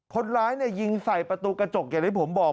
คนร้ายยิงใส่ประตูกระจกอย่างที่ผมบอก